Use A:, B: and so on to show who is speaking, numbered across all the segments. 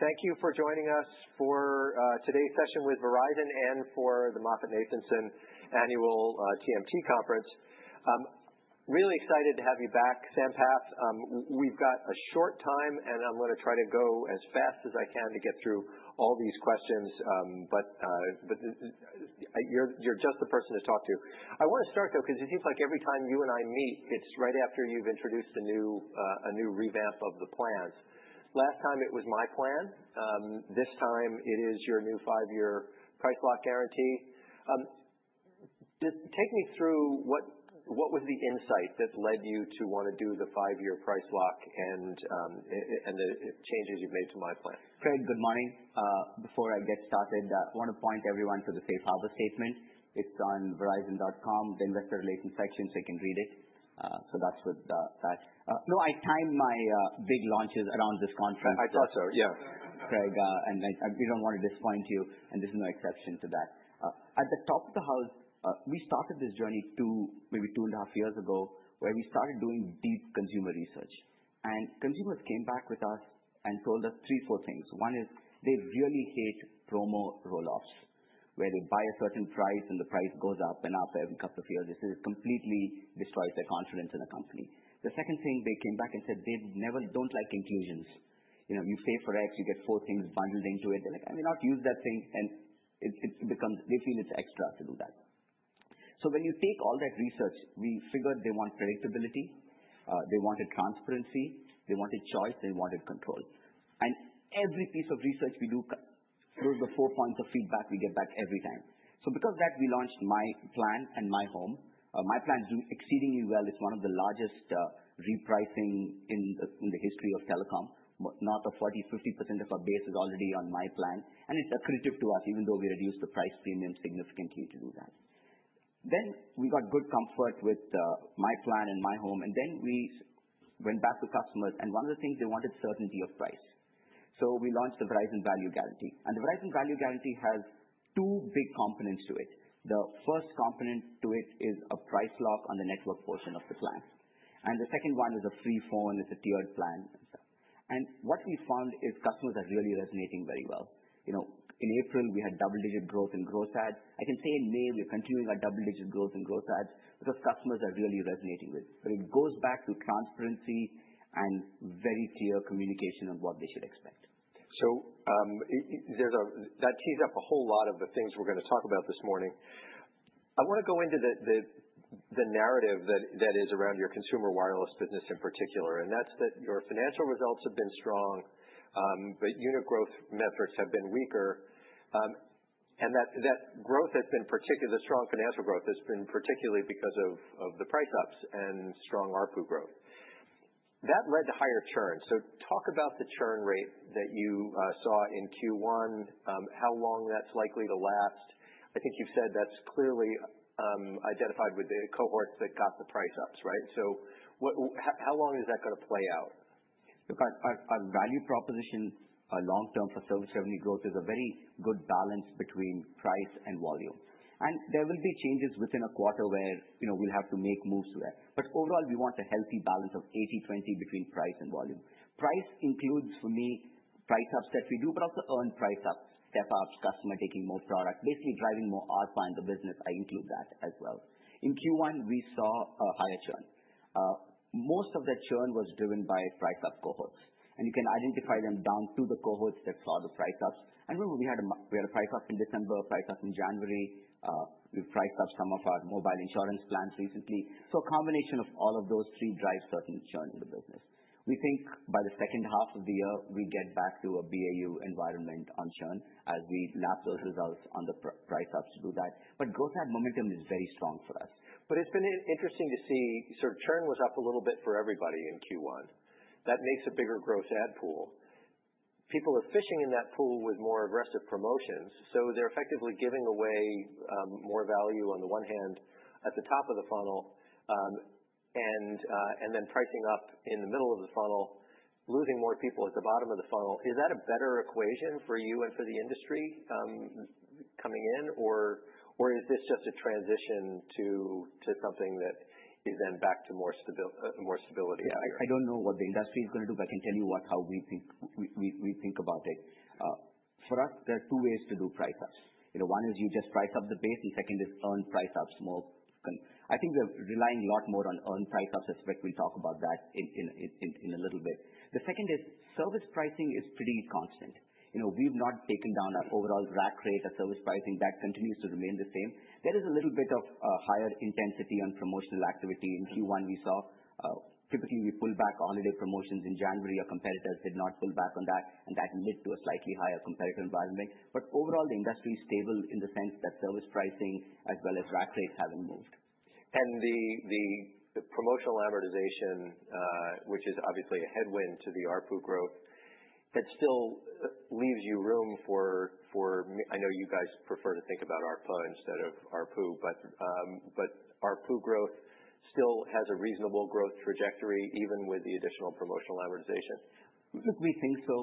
A: Thank you for joining us for today's session with Verizon and for the MoffettNathanson Annual TMT Conference. Really excited to have you back, Sampath. We've got a short time, and I'm going to try to go as fast as I can to get through all these questions, but you're just the person to talk to. I want to start, though, because it seems like every time you and I meet, it's right after you've introduced a new revamp of the plans. Last time, it was myPlan. This time, it is your new five-year price lock guarantee. Take me through what was the insight that led you to want to do the five-year price lock and the changes you've made to myPlan.
B: Craig, good morning. Before I get started, I want to point everyone to the Safe Harbor statement. It is on verizon.com, the investor relations section, so you can read it. That is what that, no, I timed my big launches around this conference.
A: I thought so, yeah.
B: Craig, and we don't want to disappoint you, and there's no exception to that. At the top of the house, we started this journey maybe two and a half years ago, where we started doing deep consumer research. And consumers came back with us and told us three, four things. One is they really hate promo roll-offs, where they buy a certain price and the price goes up and up every couple of years. This completely destroys their confidence in a company. The second thing, they came back and said they don't like inclusions. You pay for X, you get four things bundled into it. They're like, "I may not use that thing," and they feel it's extra to do that. So when you take all that research, we figured they want predictability, they wanted transparency, they wanted choice, they wanted control. Every piece of research we do, those are the four points of feedback we get back every time. Because of that, we launched myPlan and myHome. myPlan is doing exceedingly well. It's one of the largest repricing in the history of telecom. Now 50% of our base is already on myPlan, and it's accredited to us, even though we reduced the price premium significantly to do that. We got good comfort with myPlan and myHome, and we went back to customers, and one of the things they wanted was certainty of price. We launched the Verizon Value Guarantee. The Verizon Value Guarantee has two big components to it. The first component to it is a price lock on the network portion of the plan. The second one is a free phone, it's a tiered plan. What we found is customers are really resonating very well. In April, we had double-digit growth in gross ads. I can say in May, we're continuing our double-digit growth in gross ads because customers are really resonating with it. It goes back to transparency and very clear communication on what they should expect.
A: That tees up a whole lot of the things we're going to talk about this morning. I want to go into the narrative that is around your consumer wireless business in particular, and that's that your financial results have been strong, but unit growth metrics have been weaker, and that growth has been particularly, the strong financial growth has been particularly because of the price ups and strong ARPU growth. That led to higher churn. Talk about the churn rate that you saw in Q1, how long that's likely to last. I think you've said that's clearly identified with the cohorts that got the price ups, right? How long is that going to play out?
B: Look, our value proposition long-term for service revenue growth is a very good balance between price and volume. There will be changes within a quarter where we'll have to make moves to that. Overall, we want a healthy balance of 80/20 between price and volume. Price includes, for me, price ups that we do, but also earned price ups, step-ups, customer taking more product, basically driving more ARPA in the business. I include that as well. In Q1, we saw a higher churn. Most of that churn was driven by price up cohorts. You can identify them down to the cohorts that saw the price ups. Remember, we had a price up in December, a price up in January. We've priced up some of our mobile insurance plans recently. A combination of all of those three drives certain churn in the business. We think by the second half of the year, we get back to a BAU environment on churn as we lap those results on the price ups to do that. Gross ad momentum is very strong for us.
A: It's been interesting to see sort of churn was up a little bit for everybody in Q1. That makes a bigger gross ad pool. People are fishing in that pool with more aggressive promotions, so they're effectively giving away more value on the one hand at the top of the funnel and then pricing up in the middle of the funnel, losing more people at the bottom of the funnel. Is that a better equation for you and for the industry coming in, or is this just a transition to something that is then back to more stability?
B: I don't know what the industry is going to do, but I can tell you how we think about it. For us, there are two ways to do price ups. One is you just price up the base. The second is earned price ups. I think we're relying a lot more on earned price ups. I suspect we'll talk about that in a little bit. The second is service pricing is pretty constant. We've not taken down our overall rack rate of service pricing. That continues to remain the same. There is a little bit of higher intensity on promotional activity. In Q1, we saw typically we pulled back holiday promotions in January. Our competitors did not pull back on that, and that led to a slightly higher competitor environment. Overall, the industry is stable in the sense that service pricing as well as rack rates haven't moved.
A: The promotional amortization, which is obviously a headwind to the ARPU growth, that still leaves you room for I know you guys prefer to think about ARPA instead of ARPU, but ARPU growth still has a reasonable growth trajectory even with the additional promotional amortization.
B: Look, we think so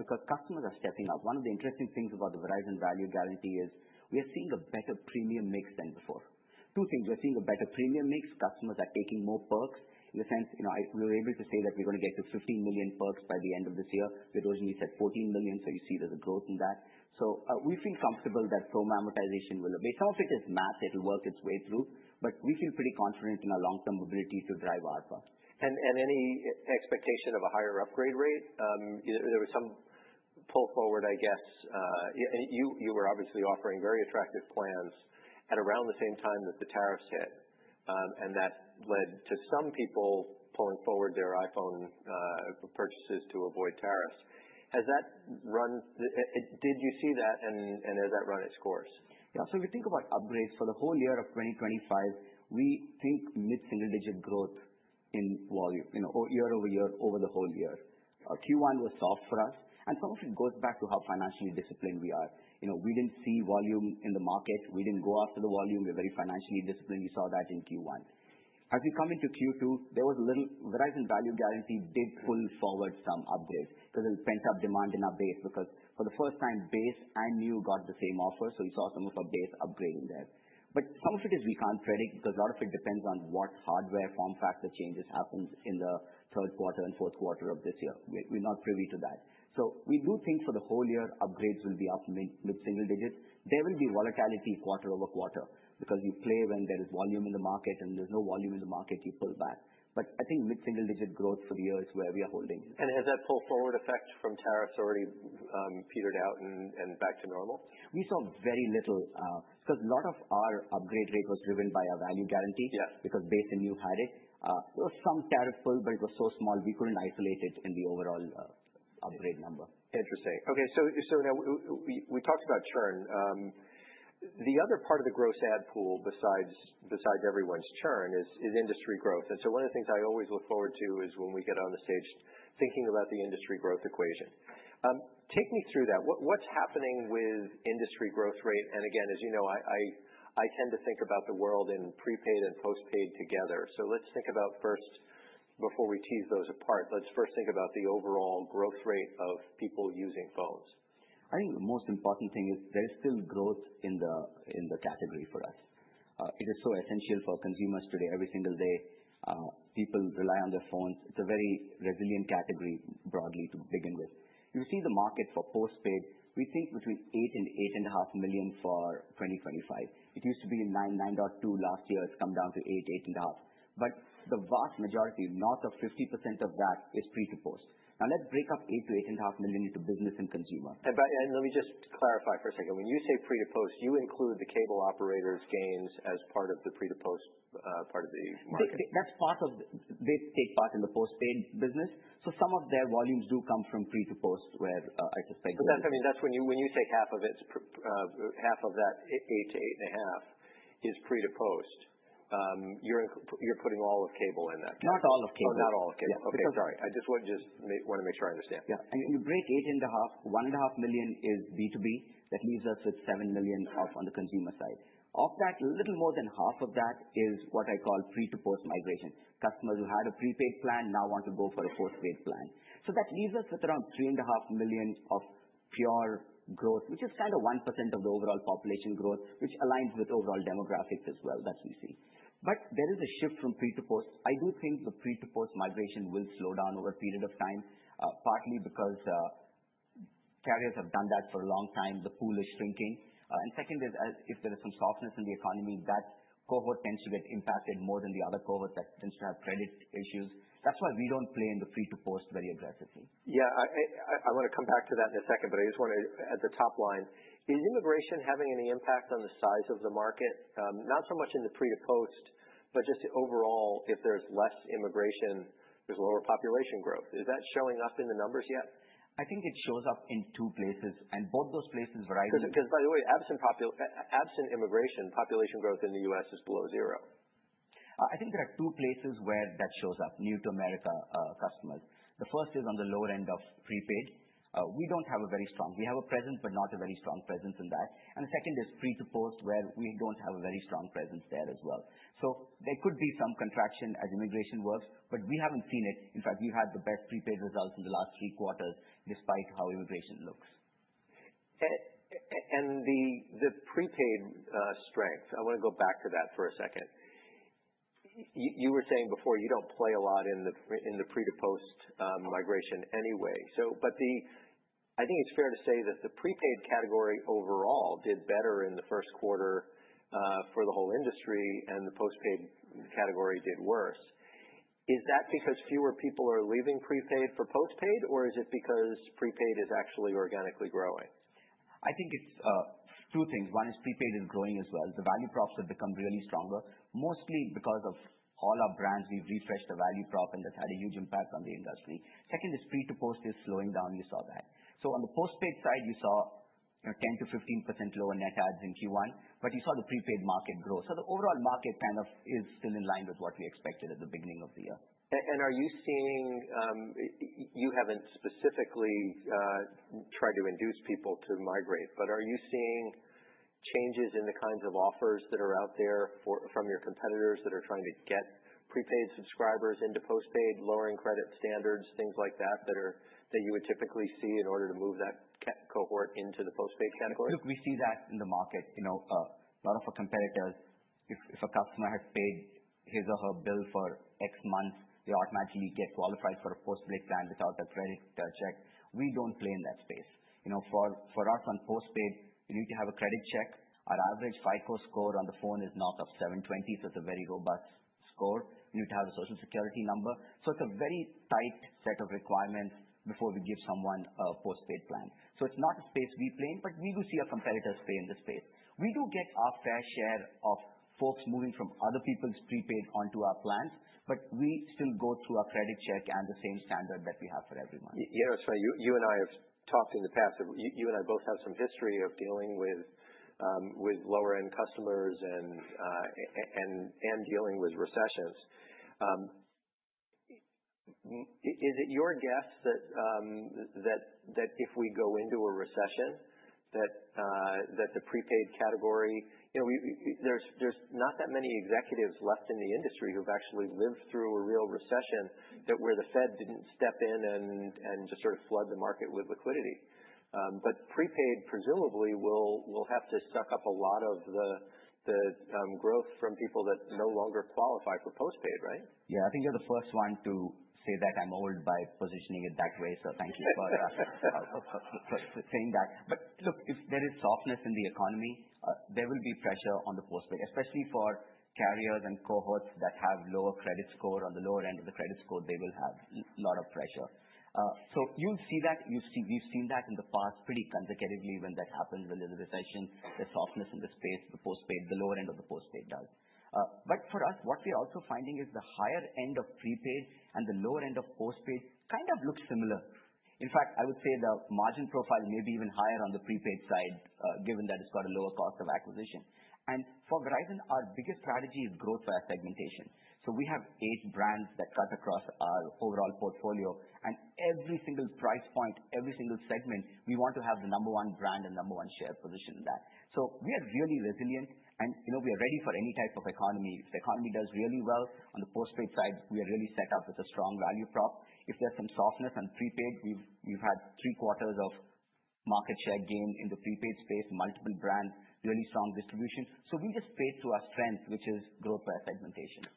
B: because customers are stepping up. One of the interesting things about the Verizon Value Guarantee is we are seeing a better premium mix than before. Two things. We're seeing a better premium mix. Customers are taking more perks in the sense we were able to say that we're going to get to $15 million perks by the end of this year. We originally said $14 million, so you see there's a growth in that. We feel comfortable that promo amortization will obey. Some of it is math. It'll work its way through, but we feel pretty confident in our long-term ability to drive ARPA.
A: Any expectation of a higher upgrade rate? There was some pull forward, I guess. You were obviously offering very attractive plans at around the same time that the tariffs hit, and that led to some people pulling forward their iPhone purchases to avoid tariffs. Has that run? Did you see that, and has that run its course?
B: Yeah. If we think about upgrades for the whole year of 2025, we think mid-single-digit growth in volume, year over year, over the whole year. Q1 was soft for us, and some of it goes back to how financially disciplined we are. We did not see volume in the market. We did not go after the volume. We are very financially disciplined. We saw that in Q1. As we come into Q2, there was a little Verizon Value Guarantee did pull forward some upgrades because it will pent up demand in our base because for the first time, base and new got the same offer, so we saw some of our base upgrading there. Some of it is we cannot predict because a lot of it depends on what hardware, form factor changes happen in the third quarter and fourth quarter of this year. We are not privy to that. We do think for the whole year, upgrades will be up mid-single digits. There will be volatility quarter over quarter because you play when there is volume in the market, and when there is no volume in the market, you pull back. I think mid-single digit growth for the year is where we are holding.
A: Has that pull forward effect from tariffs already petered out and back to normal?
B: We saw very little because a lot of our upgrade rate was driven by our value guarantee because base and new had it. There was some tariff pull, but it was so small we could not isolate it in the overall upgrade number.
A: Interesting. Okay. Now we talked about churn. The other part of the gross ad pool besides everyone's churn is industry growth. One of the things I always look forward to is when we get on the stage thinking about the industry growth equation. Take me through that. What's happening with industry growth rate? Again, as you know, I tend to think about the world in prepaid and postpaid together. Let's think about first, before we tease those apart, let's first think about the overall growth rate of people using phones.
B: I think the most important thing is there is still growth in the category for us. It is so essential for consumers today every single day. People rely on their phones. It's a very resilient category broadly to begin with. You see the market for postpaid. We think between $8 million-$8.5 million for 2025. It used to be $9 million-$9.2 million last year. It's come down to $8 million-$8.5 million. The vast majority, north of 50% of that, is pre to post. Now let's break up $8 million-$8.5 million into business and consumer.
A: Let me just clarify for a second. When you say pre to post, you include the cable operators' gains as part of the pre to post part of the market.
B: That's part of they take part in the postpaid business. So some of their volumes do come from pre to post, where I suspect that.
A: I mean, that's when you take half of it, half of that $8 million-$8.5 million is pre to post. You're putting all of cable in that category.
B: Not all of cable.
A: Oh, not all of cable. Okay. Sorry. I just want to make sure I understand.
B: Yeah. When you break $8.5 million, $1.5 million is B2B. That leaves us with $7 million on the consumer side. Of that, a little more than half of that is what I call pre to post migration. Customers who had a prepaid plan now want to go for a postpaid plan. That leaves us with around $3.5 million of pure growth, which is kind of 1% of the overall population growth, which aligns with overall demographics as well that we see. There is a shift from pre to post. I do think the pre to post migration will slow down over a period of time, partly because carriers have done that for a long time. The pool is shrinking. Second is, if there is some softness in the economy, that cohort tends to get impacted more than the other cohorts that tend to have credit issues. That is why we do not play in the pre to post very aggressively.
A: Yeah. I want to come back to that in a second, but I just want to, at the top line, is immigration having any impact on the size of the market? Not so much in the pre to post, but just overall, if there's less immigration, there's lower population growth. Is that showing up in the numbers yet?
B: I think it shows up in two places, and both those places vary.
A: Because, by the way, absent immigration, population growth in the U.S. is below zero.
B: I think there are two places where that shows up, new to America customers. The first is on the lower end of prepaid. We do not have a very strong, we have a presence, but not a very strong presence in that. The second is pre to post, where we do not have a very strong presence there as well. There could be some contraction as immigration works, but we have not seen it. In fact, we have had the best prepaid results in the last three quarters despite how immigration looks.
A: The prepaid strength, I want to go back to that for a second. You were saying before you do not play a lot in the pre to post migration anyway. I think it is fair to say that the prepaid category overall did better in the first quarter for the whole industry, and the postpaid category did worse. Is that because fewer people are leaving prepaid for postpaid, or is it because prepaid is actually organically growing?
B: I think it's two things. One is prepaid is growing as well. The value props have become really stronger, mostly because of all our brands. We've refreshed the value prop, and that's had a huge impact on the industry. Second is pre to post is slowing down. You saw that. On the postpaid side, you saw 10%-15% lower net ads in Q1, but you saw the prepaid market grow. The overall market kind of is still in line with what we expected at the beginning of the year.
A: Are you seeing you have not specifically tried to induce people to migrate, but are you seeing changes in the kinds of offers that are out there from your competitors that are trying to get prepaid subscribers into postpaid, lowering credit standards, things like that that you would typically see in order to move that cohort into the postpaid category?
B: Look, we see that in the market. A lot of our competitors, if a customer has paid his or her bill for X months, they automatically get qualified for a postpaid plan without a credit check. We do not play in that space. For us on postpaid, you need to have a credit check. Our average FICO score on the phone is north of 720, so it is a very robust score. You need to have a Social Security number. It is a very tight set of requirements before we give someone a postpaid plan. It is not a space we play, but we do see our competitors play in this space. We do get our fair share of folks moving from other people's prepaid onto our plans, but we still go through our credit check and the same standard that we have for everyone.
A: You know, you and I have talked in the past. You and I both have some history of dealing with lower-end customers and dealing with recessions. Is it your guess that if we go into a recession, that the prepaid category, there's not that many executives left in the industry who've actually lived through a real recession where the Fed didn't step in and just sort of flood the market with liquidity? But prepaid, presumably, will have to suck up a lot of the growth from people that no longer qualify for postpaid, right?
B: Yeah. I think you're the first one to say that I'm old by positioning it that way, so thank you for saying that. Look, if there is softness in the economy, there will be pressure on the postpaid, especially for carriers and cohorts that have lower credit score. On the lower end of the credit score, they will have a lot of pressure. You'll see that. We've seen that in the past pretty consecutively when that happens, when there's a recession, the softness in the space, the postpaid, the lower end of the postpaid does. For us, what we're also finding is the higher end of prepaid and the lower end of postpaid kind of looks similar. In fact, I would say the margin profile may be even higher on the prepaid side, given that it's got a lower cost of acquisition. For Verizon, our biggest strategy is growth via segmentation. We have eight brands that cut across our overall portfolio, and every single price point, every single segment, we want to have the number one brand and number one share position in that. We are really resilient, and we are ready for any type of economy. If the economy does really well on the postpaid side, we are really set up with a strong value prop. If there's some softness on prepaid, we've had three quarters of market share gain in the prepaid space, multiple brands, really strong distribution. We just paid to our strength, which is growth via segmentation.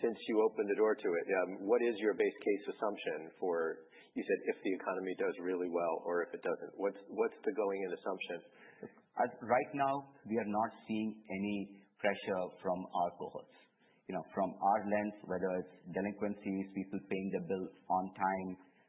A: Since you opened the door to it, what is your base case assumption for, you said, if the economy does really well or if it doesn't? What's the going-in assumption?
B: Right now, we are not seeing any pressure from our cohorts. From our lens, whether it's delinquencies, people paying their bills on time,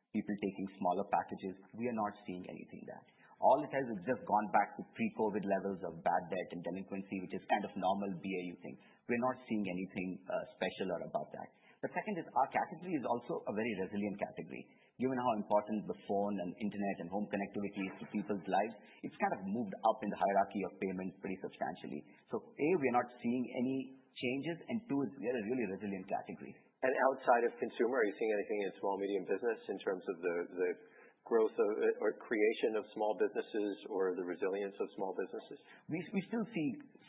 B: people taking smaller packages, we are not seeing anything there. All it has is just gone back to pre-COVID levels of bad debt and delinquency, which is kind of normal BAU thing. We're not seeing anything special or above that. The second is our category is also a very resilient category. Given how important the phone and internet and home connectivity is to people's lives, it's kind of moved up in the hierarchy of payments pretty substantially. A, we're not seeing any changes, and two, we are a really resilient category.
A: Outside of consumer, are you seeing anything in small-medium business in terms of the growth or creation of small businesses or the resilience of small businesses?
B: We still see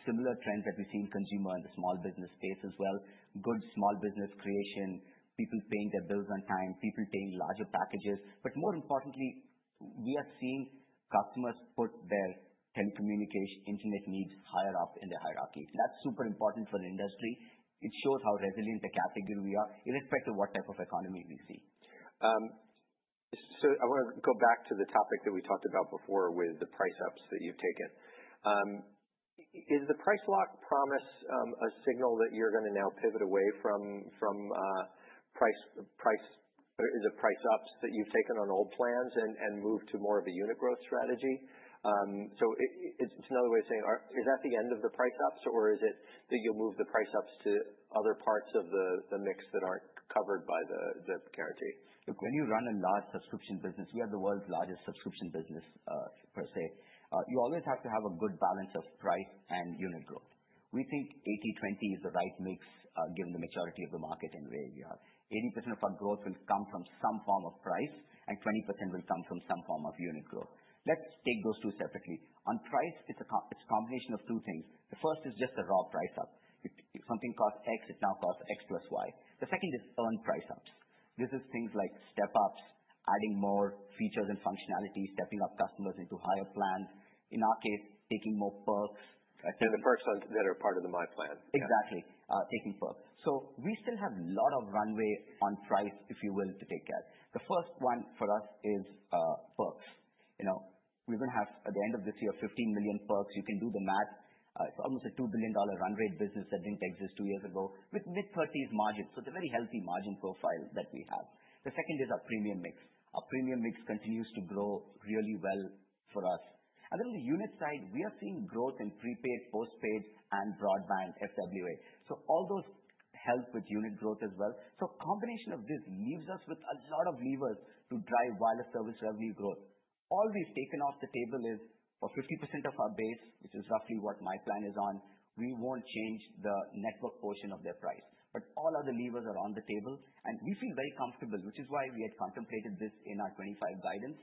B: similar trends that we see in consumer and the small business space as well. Good small business creation, people paying their bills on time, people paying larger packages. More importantly, we are seeing customers put their telecommunication internet needs higher up in the hierarchy. That is super important for the industry. It shows how resilient a category we are, irrespective of what type of economy we see.
A: I want to go back to the topic that we talked about before with the price ups that you've taken. Is the price lock promise a signal that you're going to now pivot away from price ups that you've taken on old plans and move to more of a unit growth strategy? It's another way of saying, is that the end of the price ups, or is it that you'll move the price ups to other parts of the mix that aren't covered by the guarantee?
B: Look, when you run a large subscription business, we are the world's largest subscription business per se. You always have to have a good balance of price and unit growth. We think 80/20 is the right mix given the maturity of the market and where we are. 80% of our growth will come from some form of price, and 20% will come from some form of unit growth. Let's take those two separately. On price, it's a combination of two things. The first is just a raw price up. If something costs X, it now costs X plus Y. The second is earned price ups. This is things like step-ups, adding more features and functionality, stepping up customers into higher plans, in our case, taking more perks.
A: The perks that are part of the myPlan.
B: Exactly. Taking perks. We still have a lot of runway on price, if you will, to take care. The first one for us is perks. We're going to have, at the end of this year, $15 million perks. You can do the math. It's almost a $2 billion run rate business that did not exist two years ago with mid-30% margins. It is a very healthy margin profile that we have. The second is our premium mix. Our premium mix continues to grow really well for us. On the unit side, we are seeing growth in prepaid, postpaid, and broadband FWA. All those help with unit growth as well. A combination of this leaves us with a lot of levers to drive wireless service revenue growth. All we've taken off the table is for 50% of our base, which is roughly what myPlan is on, we won't change the network portion of their price. All other levers are on the table, and we feel very comfortable, which is why we had contemplated this in our 2025 guidance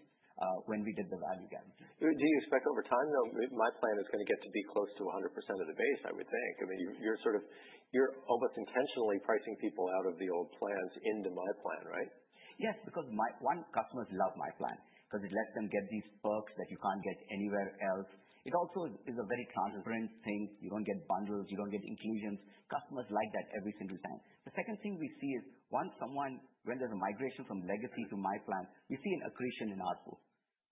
B: when we did the value gap.
A: Do you expect over time though, myPlan is going to get to be close to 100% of the base, I would think? I mean, you're almost intentionally pricing people out of the old plans into myPlan, right?
B: Yes, because one, customers love myPlan because it lets them get these perks that you can't get anywhere else. It also is a very transparent thing. You don't get bundles. You don't get inclusions. Customers like that every single time. The second thing we see is when there's a migration from legacy to myPlan, we see an accretion in ARPU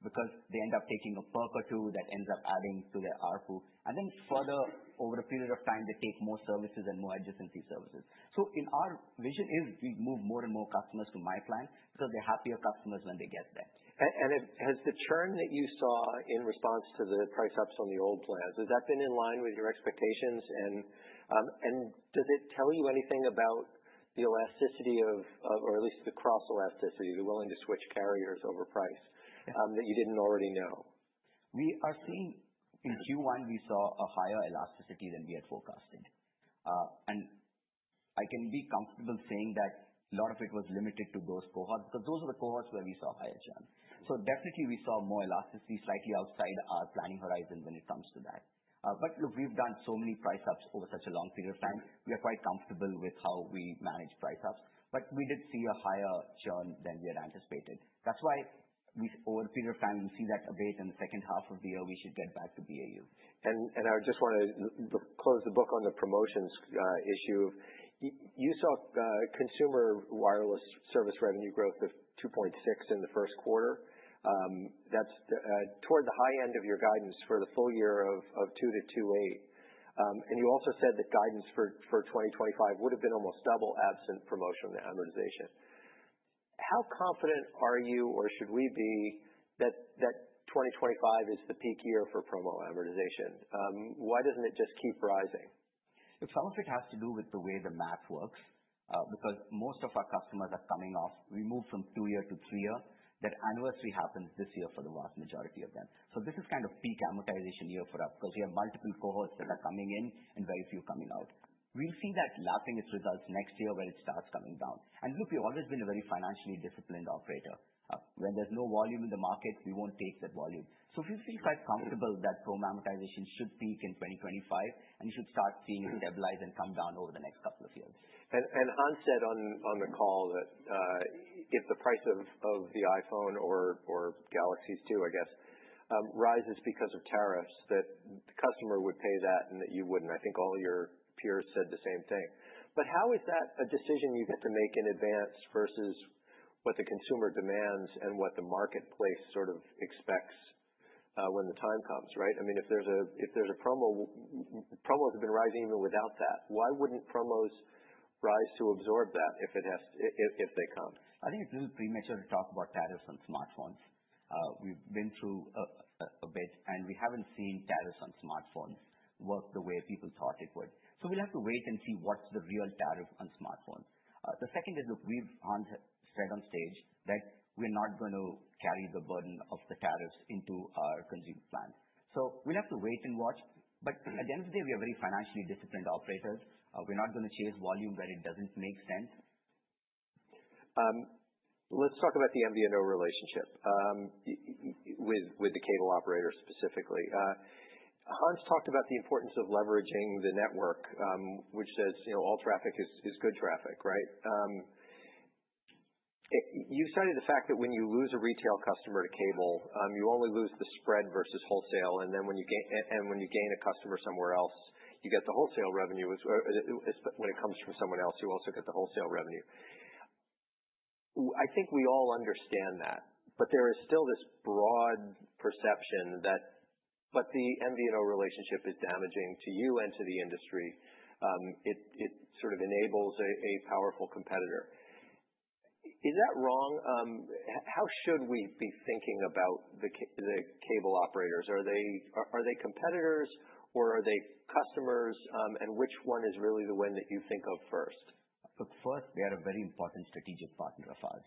B: because they end up taking a perk or two that ends up adding to their ARPU. And then further, over a period of time, they take more services and more adjacency services. Our vision is we move more and more customers to myPlan because they're happier customers when they get there.
A: Has the churn that you saw in response to the price ups on the old plans, has that been in line with your expectations? Does it tell you anything about the elasticity of, or at least the cross-elasticity, the willingness to switch carriers over price that you did not already know?
B: We are seeing in Q1, we saw a higher elasticity than we had forecasted. I can be comfortable saying that a lot of it was limited to those cohorts because those are the cohorts where we saw higher churn. Definitely, we saw more elasticity slightly outside our planning horizon when it comes to that. Look, we've done so many price ups over such a long period of time. We are quite comfortable with how we manage price ups, but we did see a higher churn than we had anticipated. That's why over a period of time, we see that abate. In the second half of the year, we should get back to BAU.
A: I just want to close the book on the promotions issue. You saw consumer wireless service revenue growth of 2.6% in the first quarter. That is toward the high end of your guidance for the full year of 2-2.8%. You also said that guidance for 2025 would have been almost double absent promotional amortization. How confident are you, or should we be, that 2025 is the peak year for promo amortization? Why does it not just keep rising?
B: It sounds like it has to do with the way the math works because most of our customers are coming off. We moved from two-year to three-year. That anniversary happens this year for the vast majority of them. This is kind of peak amortization year for us because we have multiple cohorts that are coming in and very few coming out. We will see that lapping its results next year when it starts coming down. Look, we have always been a very financially disciplined operator. When there is no volume in the market, we will not take that volume. We feel quite comfortable that promo amortization should peak in 2025, and we should start seeing it stabilize and come down over the next couple of years.
A: Hans said on the call that if the price of the iPhone or Galaxy is too, I guess, rises because of tariffs, that the customer would pay that and that you would not. I think all your peers said the same thing. How is that a decision you get to make in advance versus what the consumer demands and what the marketplace sort of expects when the time comes, right? I mean, if there is a promo, promos have been rising even without that, why would not promos rise to absorb that if they come?
B: I think it's a little premature to talk about tariffs on smartphones. We've been through a bit, and we haven't seen tariffs on smartphones work the way people thought it would. We have to wait and see what's the real tariff on smartphones. The second is, look, we've said on stage that we're not going to carry the burden of the tariffs into our consumer plan. We have to wait and watch. At the end of the day, we are very financially disciplined operators. We're not going to chase volume where it doesn't make sense.
A: Let's talk about the MVNO relationship with the cable operator specifically. Hans talked about the importance of leveraging the network, which says all traffic is good traffic, right? You cited the fact that when you lose a retail customer to cable, you only lose the spread versus wholesale, and then when you gain a customer somewhere else, you get the wholesale revenue. When it comes from someone else, you also get the wholesale revenue. I think we all understand that, but there is still this broad perception that the MVNO relationship is damaging to you and to the industry. It sort of enables a powerful competitor. Is that wrong? How should we be thinking about the cable operators? Are they competitors or are they customers? And which one is really the one that you think of first?
B: Look, first, they are a very important strategic partner of ours.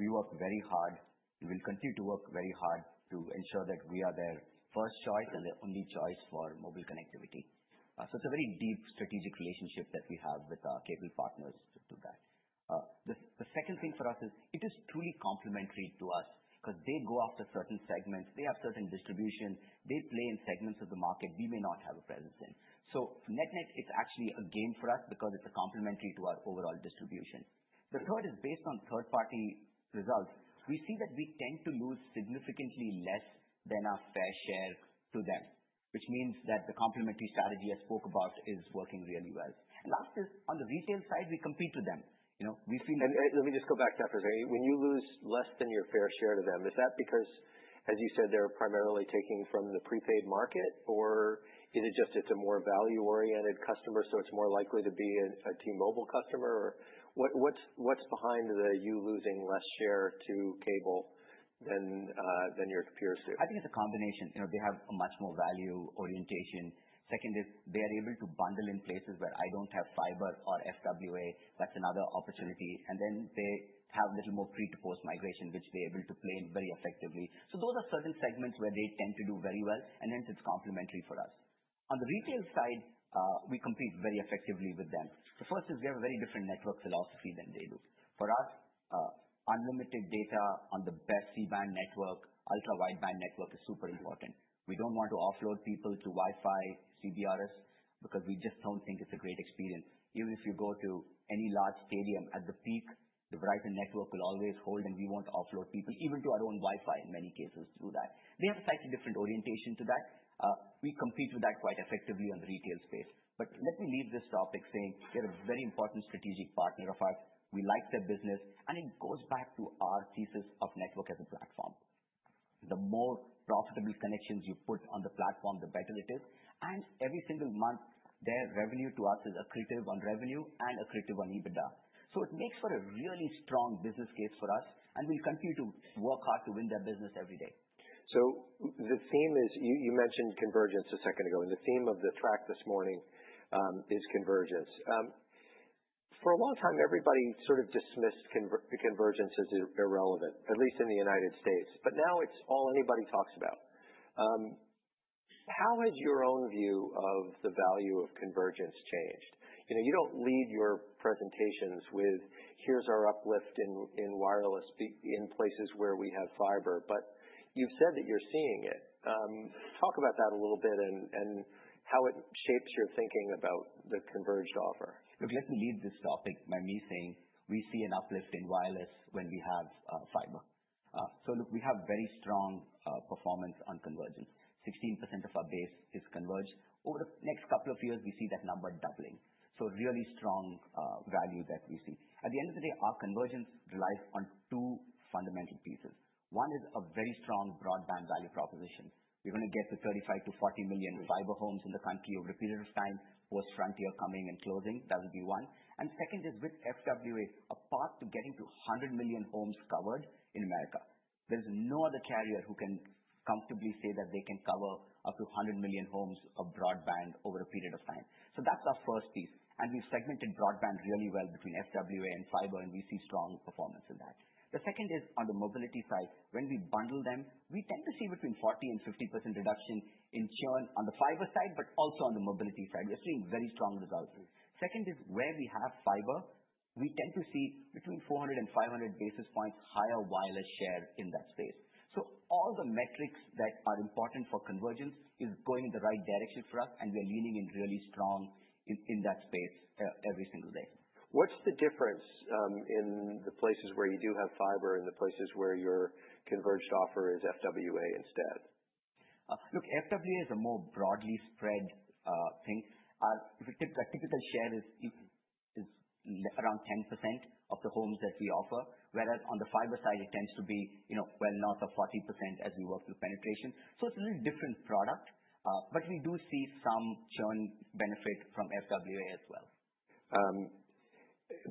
B: We worked very hard and will continue to work very hard to ensure that we are their first choice and their only choice for mobile connectivity. It is a very deep strategic relationship that we have with our cable partners to do that. The second thing for us is it is truly complementary to us because they go after certain segments. They have certain distributions. They play in segments of the market we may not have a presence in. Net-net is actually a gain for us because it is complementary to our overall distribution. The third is based on third-party results. We see that we tend to lose significantly less than our fair share to them, which means that the complementary strategy I spoke about is working really well. Last is on the retail side, we compete with them. We feel.
A: Let me just go back to that for a second. When you lose less than your fair share to them, is that because, as you said, they're primarily taking from the prepaid market, or is it just it's a more value-oriented customer, so it's more likely to be a T-Mobile customer? What is behind you losing less share to cable than your peers do?
B: I think it's a combination. They have a much more value orientation. Second is they are able to bundle in places where I don't have fiber or FWA. That's another opportunity. They have a little more pre-to-post migration, which they are able to play in very effectively. Those are certain segments where they tend to do very well, and hence it's complementary for us. On the retail side, we compete very effectively with them. The first is we have a very different network philosophy than they do. For us, unlimited data on the best C-band network, Ultra Wideband network is super important. We don't want to offload people to Wi-Fi, CBRS, because we just don't think it's a great experience. Even if you go to any large stadium at the peak, the Verizon network will always hold, and we will not offload people even to our own Wi-Fi in many cases through that. They have a slightly different orientation to that. We compete with that quite effectively on the retail space. Let me leave this topic saying they are a very important strategic partner of ours. We like their business, and it goes back to our thesis of network as a platform. The more profitable connections you put on the platform, the better it is. Every single month, their revenue to us is accretive on revenue and accretive on EBITDA. It makes for a really strong business case for us, and we will continue to work hard to win their business every day.
A: The theme is you mentioned convergence a second ago, and the theme of the track this morning is convergence. For a long time, everybody sort of dismissed convergence as irrelevant, at least in the United States, but now it's all anybody talks about. How has your own view of the value of convergence changed? You don't lead your presentations with, "Here's our uplift in wireless in places where we have fiber," but you've said that you're seeing it. Talk about that a little bit and how it shapes your thinking about the converged offer.
B: Look, let me lead this topic by me saying we see an uplift in wireless when we have fiber. Look, we have very strong performance on convergence. 16% of our base is converged. Over the next couple of years, we see that number doubling. Really strong value that we see. At the end of the day, our convergence relies on two fundamental pieces. One is a very strong broadband value proposition. We're going to get to $35 million-$40 million fiber homes in the country over a period of time, post-Frontier coming and closing. That would be one. Second is with FWA, a path to getting to 100 million homes covered in the U.S. There is no other carrier who can comfortably say that they can cover up to 100 million homes of broadband over a period of time. That's our first piece. We have segmented broadband really well between FWA and fiber, and we see strong performance in that. The second is on the mobility side. When we bundle them, we tend to see between 40%-50% reduction in churn on the fiber side, but also on the mobility side. We are seeing very strong results. Second is where we have fiber, we tend to see between 400-500 basis points higher wireless share in that space. All the metrics that are important for convergence are going in the right direction for us, and we are leaning in really strong in that space every single day.
A: What's the difference in the places where you do have fiber and the places where your converged offer is FWA instead?
B: Look, FWA is a more broadly spread thing. Our typical share is around 10% of the homes that we offer, whereas on the fiber side, it tends to be well north of 40% as we work through penetration. It is a little different product, but we do see some churn benefit from FWA as well.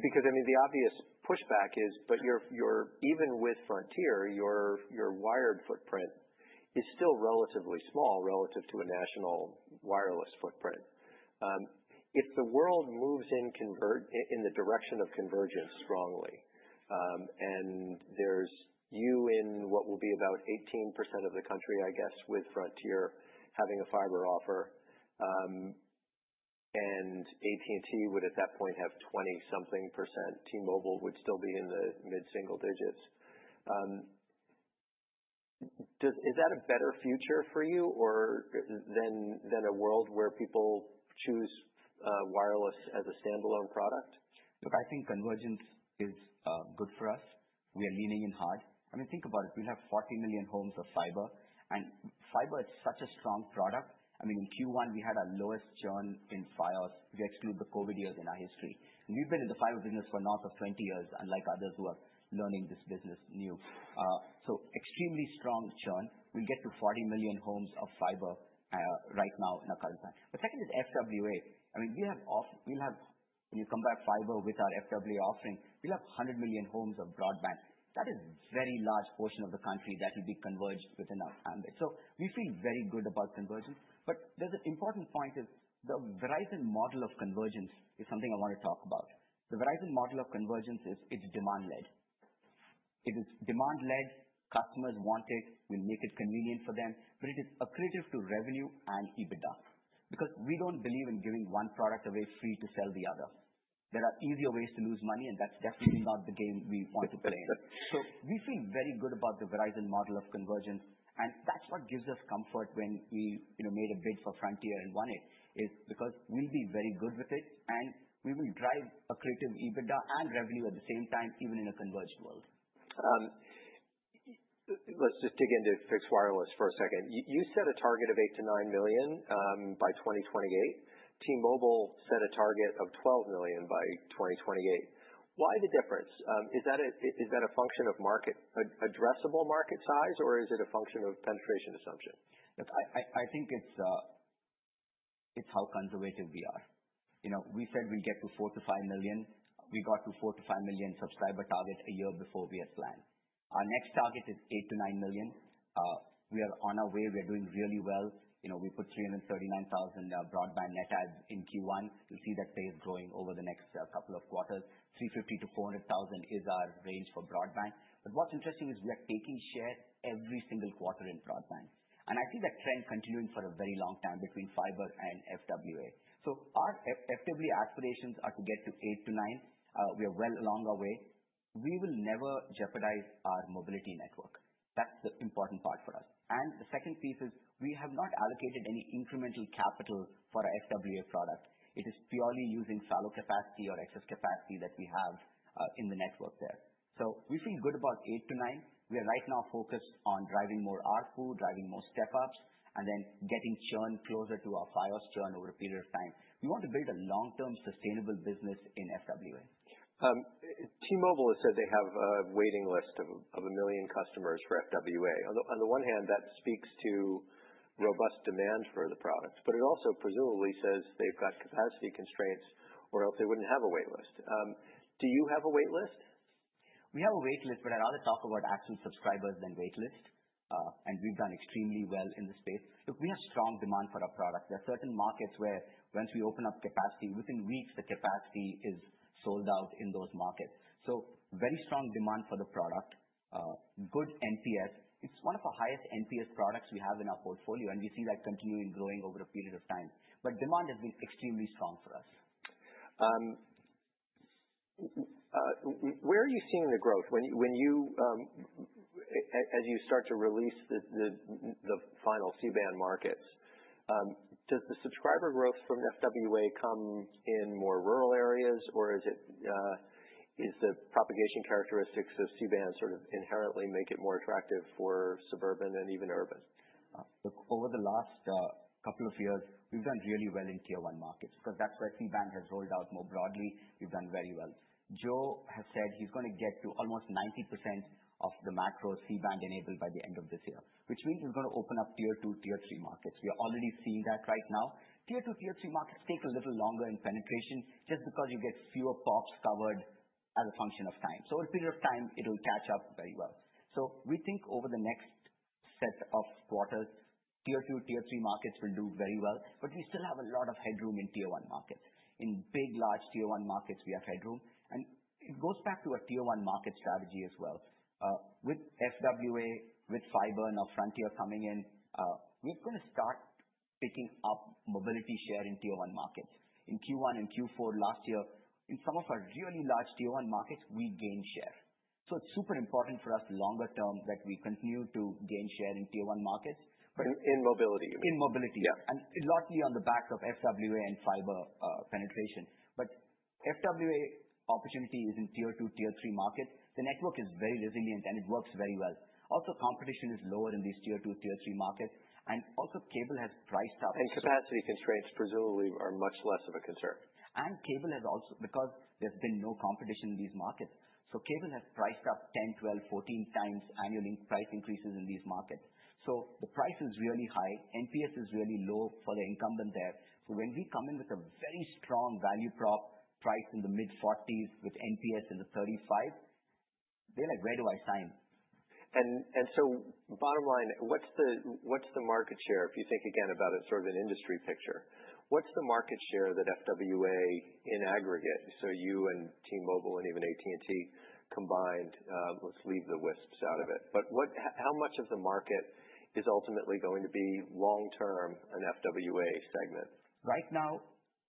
A: Because I mean, the obvious pushback is, but even with Frontier, your wired footprint is still relatively small relative to a national wireless footprint. If the world moves in the direction of convergence strongly and there is you in what will be about 18% of the country, I guess, with Frontier having a fiber offer, and AT&T would at that point have 20-something percent, T-Mobile would still be in the mid-single digits, is that a better future for you than a world where people choose wireless as a standalone product?
B: Look, I think convergence is good for us. We are leaning in hard. I mean, think about it. We'll have 40 million homes of fiber, and fiber is such a strong product. I mean, in Q1, we had our lowest churn in fiber. We exclude the COVID years in our history. We've been in the fiber business for north of 20 years, unlike others who are learning this business new. So extremely strong churn. We'll get to 40 million homes of fiber right now in our current plan. The second is FWA. I mean, we'll have, when you combine fiber with our FWA offering, we'll have 100 million homes of broadband. That is a very large portion of the country that will be converged within our hand. So we feel very good about convergence. There is an important point. The Verizon model of convergence is something I want to talk about. The Verizon model of convergence is demand-led. It is demand-led. Customers want it. We will make it convenient for them, but it is accretive to revenue and EBITDA because we do not believe in giving one product away free to sell the other. There are easier ways to lose money, and that is definitely not the game we want to play in. We feel very good about the Verizon model of convergence, and that is what gives us comfort when we made a bid for Frontier and won it, because we will be very good with it, and we will drive accretive EBITDA and revenue at the same time, even in a converged world.
A: Let's just dig into fixed wireless for a second. You set a target of 8 million-9 million by 2028. T-Mobile set a target of 12 million by 2028. Why the difference? Is that a function of market, addressable market size, or is it a function of penetration assumption?
B: Look, I think it's how conservative we are. We said we get to 4 million-5 million. We got to 4 million-5 million subscriber target a year before we had planned. Our next target is 8 million-9 million. We are on our way. We are doing really well. We put 339,000 broadband net adds in Q1. You'll see that phase growing over the next couple of quarters. 350,000-400,000 is our range for broadband. What's interesting is we are taking share every single quarter in broadband. I see that trend continuing for a very long time between fiber and FWA. Our FWA aspirations are to get to 8 million-9 million. We are well along our way. We will never jeopardize our mobility network. That's the important part for us. The second piece is we have not allocated any incremental capital for our FWA product. It is purely using silo capacity or excess capacity that we have in the network there. We feel good about 8 million -9 million. We are right now focused on driving more ARPU, driving more step-ups, and then getting churn closer to our fiber churn over a period of time. We want to build a long-term sustainable business in FWA.
A: T-Mobile has said they have a waiting list of a million customers for FWA. On the one hand, that speaks to robust demand for the product, but it also presumably says they've got capacity constraints or else they wouldn't have a waitlist. Do you have a waitlist?
B: We have a waitlist, but I'd rather talk about actual subscribers than waitlist. We've done extremely well in the space. Look, we have strong demand for our product. There are certain markets where once we open up capacity, within weeks, the capacity is sold out in those markets. Very strong demand for the product. Good NPS. It's one of our highest NPS products we have in our portfolio, and we see that continuing growing over a period of time. Demand has been extremely strong for us.
A: Where are you seeing the growth? As you start to release the final C-band markets, does the subscriber growth from FWA come in more rural areas, or is the propagation characteristics of C-band sort of inherently make it more attractive for suburban and even urban?
B: Look, over the last couple of years, we've done really well in tier one markets because that's where C-band has rolled out more broadly. We've done very well. Joe has said he's going to get to almost 90% of the macro C-band enabled by the end of this year, which means he's going to open up tier two, tier three markets. We are already seeing that right now. Tier two, tier three markets take a little longer in penetration just because you get fewer pops covered as a function of time. Over a period of time, it will catch up very well. We think over the next set of quarters, tier two, tier three markets will do very well, but we still have a lot of headroom in tier one markets. In big, large tier one markets, we have headroom. It goes back to our tier one market strategy as well. With FWA, with fiber and our Frontier coming in, we're going to start picking up mobility share in tier one markets. In Q1 and Q4 last year, in some of our really large tier one markets, we gained share. It is super important for us longer term that we continue to gain share in tier one markets.
A: In mobility, you mean?
B: In mobility, yeah. Largely on the back of FWA and fiber penetration. FWA opportunity is in tier two, tier three markets. The network is very resilient, and it works very well. Also, competition is lower in these tier two, tier three markets. Also, cable has priced up.
A: Capacity constraints presumably are much less of a concern.
B: Cable has also, because there's been no competition in these markets. Cable has priced up 10, 12, 14 times annual price increases in these markets. The price is really high. NPS is really low for the incumbent there. When we come in with a very strong value prop price in the mid-$40s with NPS in the 35, they're like, "Where do I sign?
A: Bottom line, what's the market share? If you think again about it, sort of an industry picture, what's the market share that FWA in aggregate? You and T-Mobile and even AT&T combined, let's leave the wisps out of it. How much of the market is ultimately going to be long-term an FWA segment?
B: Right now,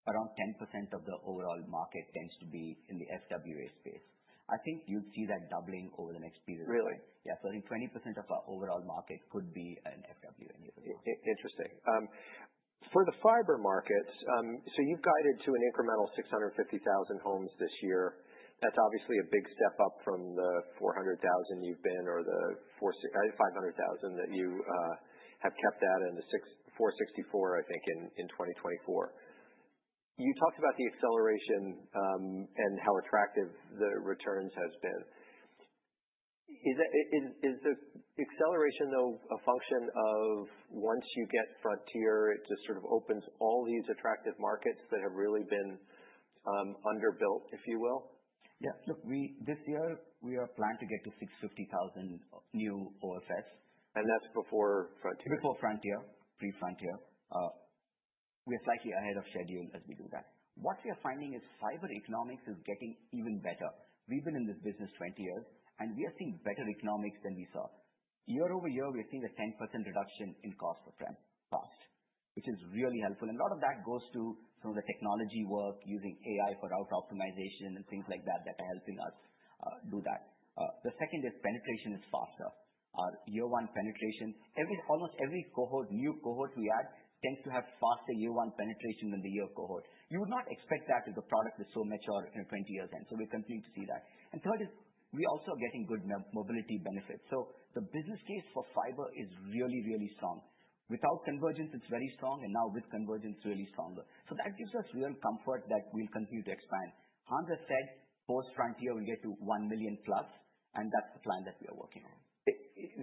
B: around 10% of the overall market tends to be in the FWA space. I think you'd see that doubling over the next period of time.
A: Really?
B: Yeah. So I think 20% of our overall market could be an FWA either way.
A: Interesting. For the fiber markets, you have guided to an incremental 650,000 homes this year. That is obviously a big step up from the 400,000 you have been or the 500,000 that you have kept at and the 464,000, I think, in 2024. You talked about the acceleration and how attractive the returns have been. Is the acceleration, though, a function of once you get Frontier, it just sort of opens all these attractive markets that have really been underbuilt, if you will?
B: Yeah. Look, this year, we are planning to get to 650,000 new OFS.
A: That's before Frontier.
B: Before Frontier, pre-Frontier. We are slightly ahead of schedule as we do that. What we are finding is fiber economics is getting even better. We've been in this business 20 years, and we have seen better economics than we saw. Year over year, we're seeing a 10% reduction in cost of trend cost, which is really helpful. A lot of that goes to some of the technology work using AI for route optimization and things like that that are helping us do that. The second is penetration is faster. Our year one penetration, almost every new cohort we add tends to have faster year one penetration than the year cohort. You would not expect that with a product that's so mature in 20 years end. We are continuing to see that. Third is we also are getting good mobility benefits. The business case for fiber is really, really strong. Without convergence, it's very strong, and now with convergence, really stronger. That gives us real comfort that we'll continue to expand. Hans has said post-Frontier, we'll get to 1 million plus, and that's the plan that we are working on.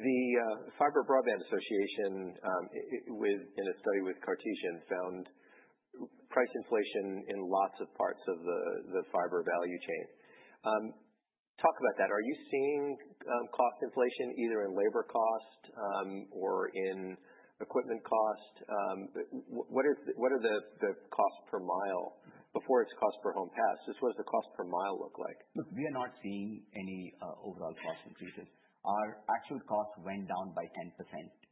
A: The Fiber Broadband Association, in a study with Cartesian, found price inflation in lots of parts of the fiber value chain. Talk about that. Are you seeing cost inflation either in labor cost or in equipment cost? What are the cost per mile before it is cost per home pass? Just what does the cost per mile look like?
B: Look, we are not seeing any overall cost increases. Our actual cost went down by 10%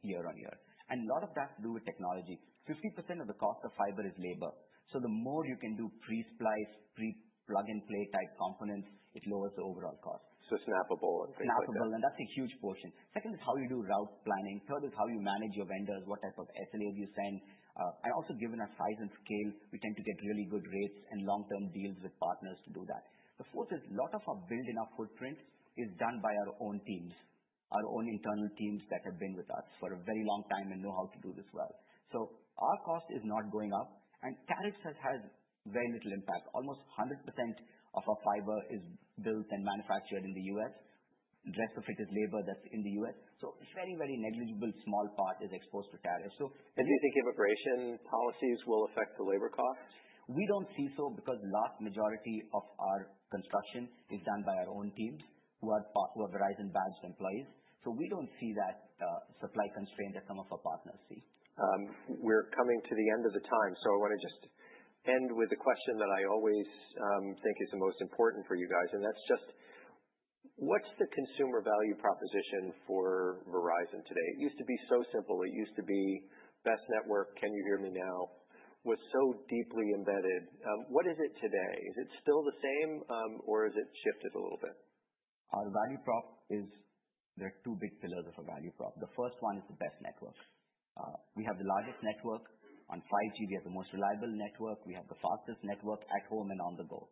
B: year on year. A lot of that's due to technology. 50% of the cost of fiber is labor. The more you can do pre-supplies, pre-plug and play type components, it lowers the overall cost.
A: It's snappable and things like that.
B: Snappable, and that's a huge portion. Second is how you do route planning. Third is how you manage your vendors, what type of SLAs you send. Also, given our size and scale, we tend to get really good rates and long-term deals with partners to do that. The fourth is a lot of our build-in our footprint is done by our own teams, our own internal teams that have been with us for a very long time and know how to do this well. Our cost is not going up, and tariffs have had very little impact. Almost 100% of our fiber is built and manufactured in the U.S. The rest of it is labor that's in the U.S. Very, very negligible small part is exposed to tariffs.
A: Do you think immigration policies will affect the labor costs?
B: We do not see so because the large majority of our construction is done by our own teams who are Verizon-badged employees. We do not see that supply constraint that some of our partners see.
A: We're coming to the end of the time, so I want to just end with a question that I always think is the most important for you guys, and that's just what's the consumer value proposition for Verizon today? It used to be so simple. It used to be best network, can you hear me now? Was so deeply embedded. What is it today? Is it still the same, or has it shifted a little bit?
B: Our value prop is there are two big pillars of our value prop. The first one is the best network. We have the largest network. On 5G, we have the most reliable network. We have the fastest network at home and on the go.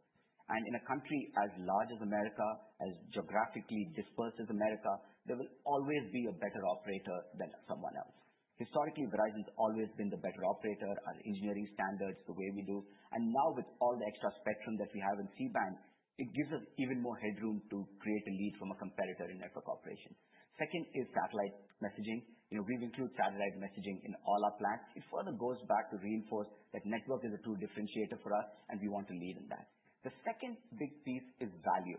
B: In a country as large as America, as geographically dispersed as America, there will always be a better operator than someone else. Historically, Verizon has always been the better operator, our engineering standards, the way we do. Now, with all the extra spectrum that we have in C-band, it gives us even more headroom to create a lead from a competitor in network operations. Second is satellite messaging. We've included satellite messaging in all our plans. It further goes back to reinforce that network is a true differentiator for us, and we want to lead in that. The second big piece is value.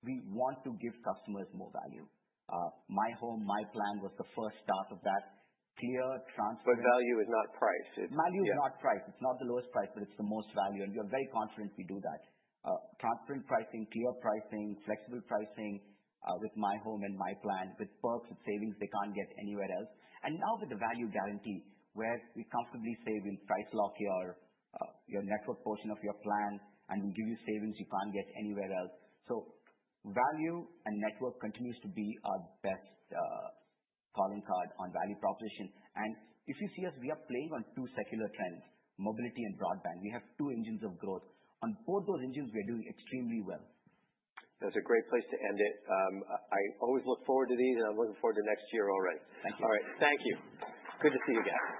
B: We want to give customers more value. myHome, myPlan was the first start of that. Clear, transparent.
A: Value is not price.
B: Value is not price. It's not the lowest price, but it's the most value. We are very confident we do that. Transparent pricing, clear pricing, flexible pricing with myHome and myPlan, with perks, with savings they can't get anywhere else. Now with the Value Guarantee, where we comfortably say we'll price lock your network portion of your plan and we'll give you savings you can't get anywhere else. Value and network continues to be our best calling card on value proposition. If you see us, we are playing on two secular trends, mobility and broadband. We have two engines of growth. On both those engines, we are doing extremely well.
A: That's a great place to end it. I always look forward to these, and I'm looking forward to next year already.
B: Thank you.
A: All right.
B: Thank you. Good to see you again.